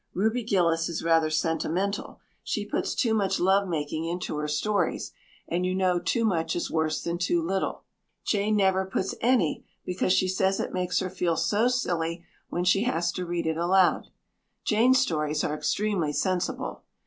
Ruby Gillis is rather sentimental. She puts too much lovemaking into her stories and you know too much is worse than too little. Jane never puts any because she says it makes her feel so silly when she had to read it out loud. Jane's stories are extremely sensible.